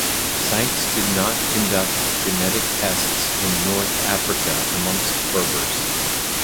Sykes did not conduct genetic tests in North Africa amongst Berbers.